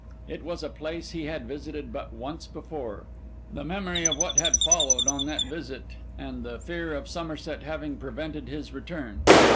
It was a place he had visited but once before: the memory of what had followed on that visit and the fear of Somerset having prevented his return.